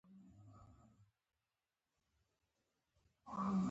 د لاس په اشاره مې موټروان پوه كړ چې حركت وكړي.